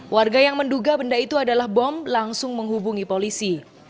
warga yang menduga benda itu adalah bom langsung menghubungi polisi